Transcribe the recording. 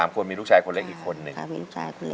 ๓คนมีลูกชายคนเล็กอีกคนนึง